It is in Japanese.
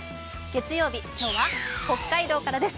月曜日、今日は北海道からです。